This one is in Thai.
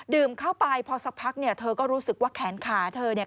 เข้าไปพอสักพักเนี่ยเธอก็รู้สึกว่าแขนขาเธอเนี่ย